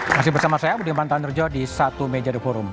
masih bersama saya budiman tandurjo di satu meja the forum